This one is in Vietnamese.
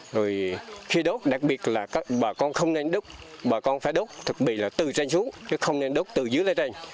rồi khi đốt đặc biệt là bà con không nên đốt bà con phải đốt thực bị là từ trên xuống chứ không nên đốt từ dưới lên trên